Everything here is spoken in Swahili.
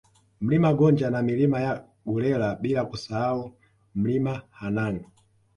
Mlima Gonja na Milima ya Gulela bila kusahau Mlima Hanang